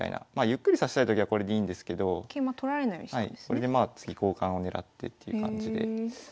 これでまあ次交換を狙ってっていう感じで指す手もあります。